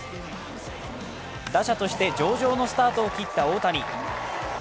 打者として上々のスタートを切った大谷。